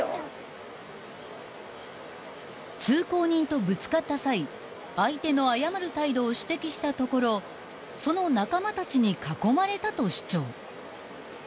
［通行人とぶつかった際相手の謝る態度を指摘したところその仲間たちに囲まれたと主張］